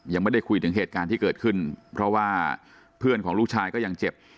ยังไม่ได้คุยถึงเหตุการณ์ที่เกิดขึ้นเพราะว่าเพื่อนของลูกชายก็ยังเจ็บ